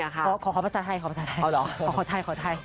ขอภาษาไทย